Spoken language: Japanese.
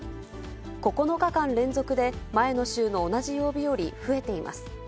９日間連続で前の週の同じ曜日より増えています。